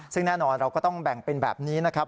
ซึ่งแน่นอนเราก็ต้องแบ่งเป็นแบบนี้นะครับ